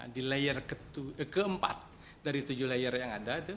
di layer keempat dari tujuh layer yang ada itu